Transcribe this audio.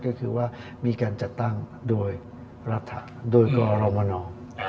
ก็คือว่ามีการจัดตั้งโดยรัฐโดยกรมน